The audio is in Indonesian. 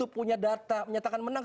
punya data menyatakan menang